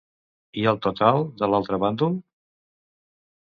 I el total de l'altre bàndol?